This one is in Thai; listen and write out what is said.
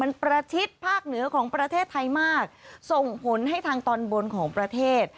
มันประชิดภาคเหนือของประเทศไทยมากส่งผลให้ทางตอนบนของประเทศ